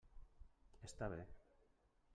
Està bé.